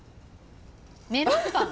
メロンパン？